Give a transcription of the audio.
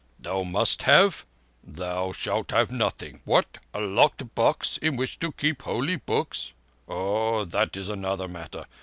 "Thou must have? Thou shalt have nothing. What? A locked box in which to keep holy books? Oh, that is another matter.